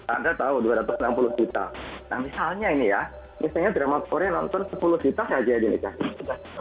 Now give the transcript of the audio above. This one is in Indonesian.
anda tahu dua ratus enam puluh juta nah misalnya ini ya misalnya drama korea nonton sepuluh juta saja delegasi